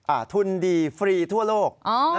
ทุนดีฟรีทั่วโลก